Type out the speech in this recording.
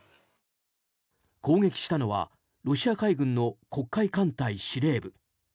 攻撃したのはロシア海軍の黒海艦隊司令部。